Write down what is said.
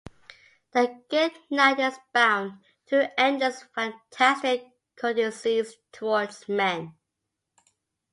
The good knight is bound to endless fantastic courtesies towards men.